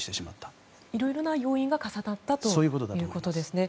いろいろな要因が重なったということですね。